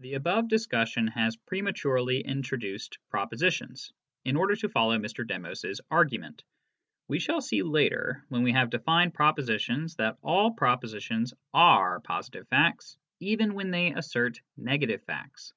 The above discussion has prematurely introduced proposi tions, in order to follow Mr. Demos's argument. We shall see later, when we have defined propositions, that all propositions are positive facts, even when they assert negative facts.